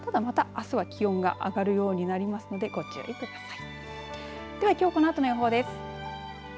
ただあすは気温が上がるようになりますのでご注意ください。